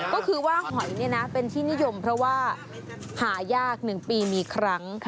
ก็คือว่าหอยเป็นที่นิยมเพราะว่าหายาก๑ปีมีครั้ง